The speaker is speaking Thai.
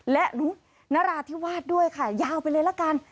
และนราธิวาสด้วยค่ะยาวไปเลยละกัน